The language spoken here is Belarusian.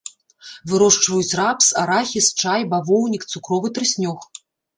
Вырошчваюць рапс, арахіс, чай, бавоўнік, цукровы трыснёг.